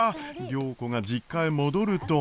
良子が実家へ戻ると。